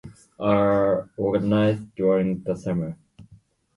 The official trail is waymarked with yellow discs with a footprint inscribed 'G'.